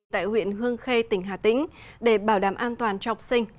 tại huyện hương khê tỉnh hà tĩnh để bảo đảm an toàn cho học sinh